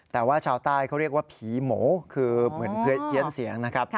แต่ว่าชาวใต้เขาเรียกว่าผีหมูคือเหมือนเพี้ยนเสียงนะครับ